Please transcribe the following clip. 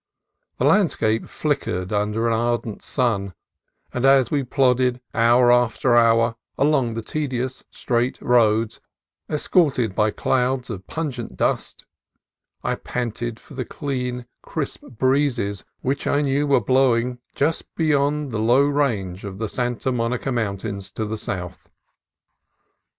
The landscape flickered under an ardent sun, and as we plodded hour after hour along the tedious straight roads, escorted by clouds of pungent dust, I panted for the clean, crisp breezes which I knew were blowing just beyond the low range of the Santa Monica Mountains to the south.